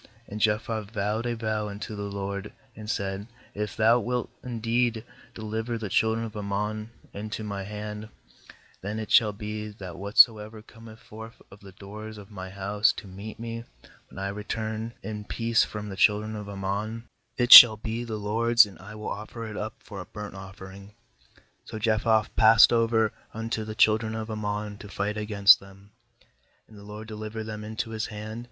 30And Jephthah vowed a vow unto the LORD, and said: 'If Thou wilt indeed de liver the children of Ammon into my hand, 81then it shall be, that whatso ever cometh forth of the doors of my house to meet me, when I return in peace from the children of Am mon, it shall be the LORD'S, and I will offer it up for a burnt offering/ ^So Jephthah passed over unto the children of A mm on to fight against them; and the LORD delivered them into his hand.